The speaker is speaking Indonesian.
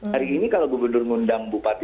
hari ini kalau gubernur ngundang bupati